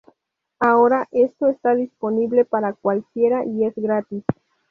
Ahora esto está disponible para cualquiera y es gratis.